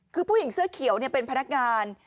คือผู้หญิงเสื้อเขียวเป็นพนักงาน